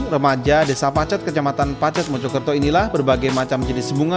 remaja desa pacet kecamatan pacet mojokerto inilah berbagai macam jenis bunga